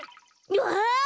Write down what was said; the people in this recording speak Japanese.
わあ！